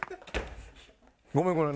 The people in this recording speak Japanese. ごめんごめん。